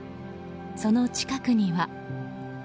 その近くには。